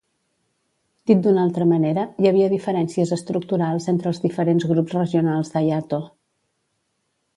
Dit d'una altra manera, hi havia diferències estructurals entre els diferents grups regionals d'Hayato.